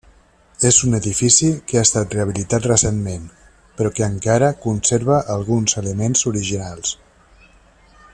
És un edifici que ha estat rehabilitat recentment, però que encara conserva alguns elements originals.